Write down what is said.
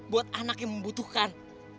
buat anak yang membutuhkan